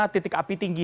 lima titik api tinggi